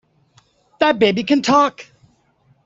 The baby can TALK!